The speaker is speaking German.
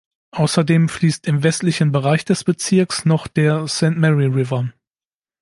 Außerdem fließt im westlichen Bereich des Bezirks noch der Saint Mary River.